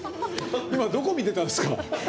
どこを見てたんですか？